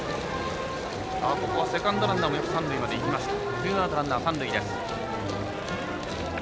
ここはセカンドランナーも三塁まで行きました。